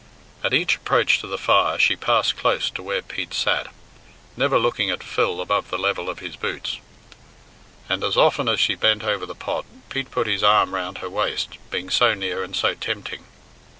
At each approach to the fire she passed close to where Pete sat, never looking at Phil above the level of his boots. And as often as she bent over the pot, Pete put his arm round her waist, being so near and so tempting.